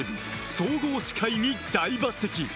総合司会に大抜擢。